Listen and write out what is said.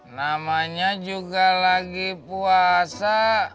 namanya juga lagi puasa